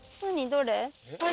どれ？